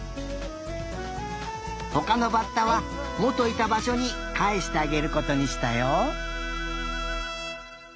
ほかのバッタはもといたばしょにかえしてあげることにしたよ。